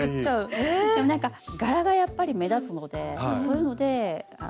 なんか柄がやっぱり目立つのでそういうのであの。